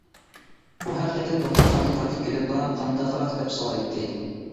ئۇ ھەر قېتىم دوختۇرخانىدىن قايتىپ كېلىپلا:-قانداقراق؟ -دەپ سورايتتى.